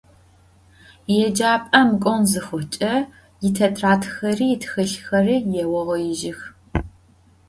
Yêcap'em k'on zıxhuç'e, yitêtradxeri yitxılhxeri yêuğoijıx.